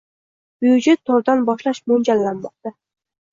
«byudjet» turidan boshlash mo‘ljallanmoqda.